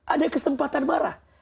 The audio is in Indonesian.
ada kesempatan marah